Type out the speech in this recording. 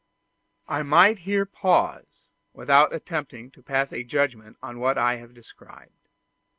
I might here pause, without attempting to pass a judgment on what I have described.